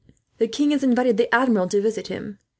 "The king has invited the Admiral to visit him.